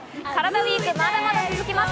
ＷＥＥＫ、まだまだ続きます。